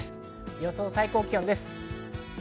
予想最高気温です。